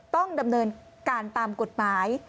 ต้องดำเนินการตามกฎหมาย